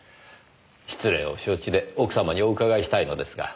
失礼を承知で奥様にお伺いしたいのですが。